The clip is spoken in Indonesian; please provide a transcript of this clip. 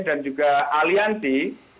dan juga alianti